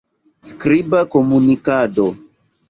Skriba komunikado.